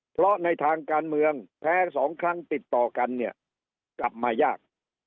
เพราะในทางการเมืองแพ้๒ครั้งติดต่อกันเนี่ยกลับมายาก